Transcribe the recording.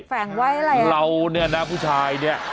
แฝงไว้อะไรเราเนี่ยนะผู้ชายเนี่ย